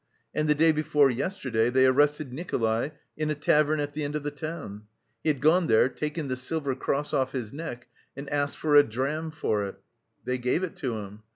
And the day before yesterday they arrested Nikolay in a tavern at the end of the town. He had gone there, taken the silver cross off his neck and asked for a dram for it. They gave it to him.